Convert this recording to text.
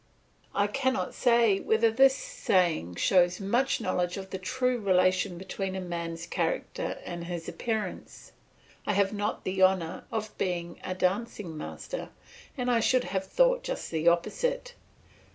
I cannot say whether this saying shows much knowledge of the true relation between a man's character and his appearance. I have not the honour of being a dancing master, and I should have thought just the opposite.